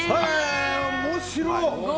面白い！